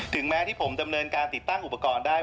แม้ที่ผมจำเนินการติดตั้งอุปกรณ์ได้